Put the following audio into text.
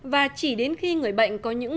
và chỉ đến khi người bệnh có những